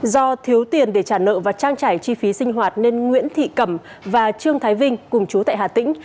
do thiếu tiền để trả nợ và trang trải chi phí sinh hoạt nên nguyễn thị cẩm và trương thái vinh cùng chú tại hà tĩnh